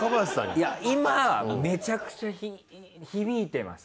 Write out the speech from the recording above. いや今めちゃくちゃ響いてます。